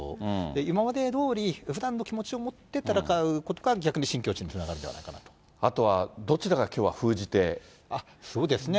今までどおり、ふだんの気持ちを持って戦うことが逆に新境地につながるんじゃなあとはどちらがきょうは封じそうですね。